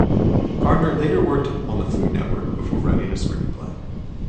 Gardner later worked on the Food Network before writing a screenplay.